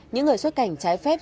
những người xuất cảnh trái phép